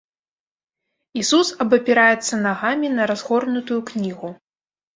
Ісус абапіраецца нагамі на разгорнутую кнігу.